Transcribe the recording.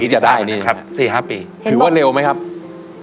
จะได้ครับถือว่าเร็วไหมครับ๔๕ปี